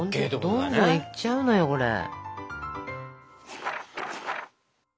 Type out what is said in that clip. どんどんいっちゃうのよこれ。